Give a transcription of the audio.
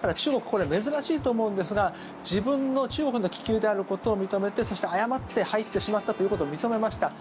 これは珍しいと思うんですが自分の、中国の気球であることを認めてそして、誤って入ってしまったということを認めました。